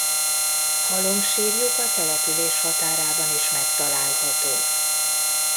Halomsírjuk a település határában is megtalálható.